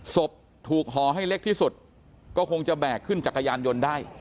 ศพถูกห่อให้เล็กที่สุดก็คงจะแบกขึ้นจักรยานยนต์ได้